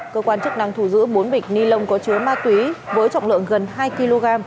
cơ quan chức năng thu giữ bốn bịch ni lông có chứa ma túy với trọng lượng gần hai kg